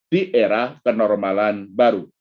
di era kenormalan baru